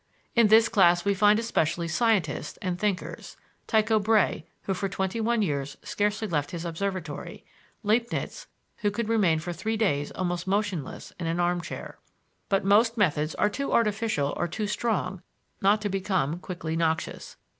In this class we find especially scientists and thinkers Tycho Brahé, who for twenty one years scarcely left his observatory; Leibniz, who could remain for three days almost motionless in an armchair. But most methods are too artificial or too strong not to become quickly noxious.